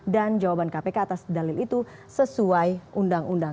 dan jawaban kpk atas dalil itu sesuai undang undang